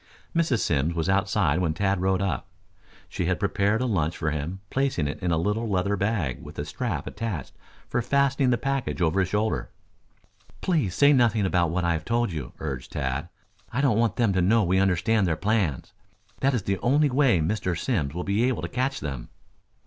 Mrs. Simms was outside when Tad rode up. She had prepared a lunch for him, placing it in a little leather bag with a strap attached for fastening the package over his shoulder. "Please say nothing about what I have told you," urged Tad. "I don't want them to know we understand their plans. That is the only way Mr. Simms will be able to catch them."